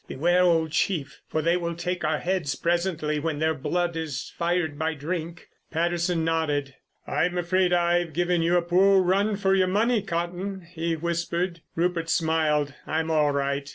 "Beware, O chief, for they will take our heads presently when their blood is fired by drink." Patterson nodded. "I'm afraid I've given you a poor run for your money, Cotton," he whispered. Rupert smiled. "I'm all right.